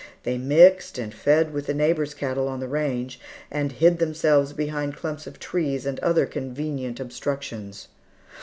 They mixed, and fed with neighbors' cattle on the range, and hid themselves behind clumps of trees and other convenient obstructions.